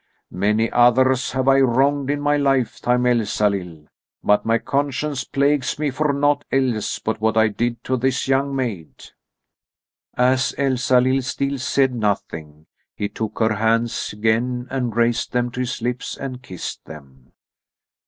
Many others have I wronged in my lifetime, Elsalill, but my conscience plagues me for naught else but what I did to this young maid." As Elsalill still said nothing, he took her hands again and raised them to his lips and kissed them.